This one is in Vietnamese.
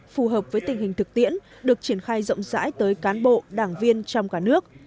phù hợp với tình hình thực tiễn được triển khai rộng rãi tới cán bộ đảng viên trong cả nước